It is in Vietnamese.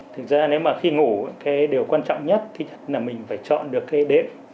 thực ra nếu mà khi ngủ điều quan trọng nhất là mình phải chọn được cái đệm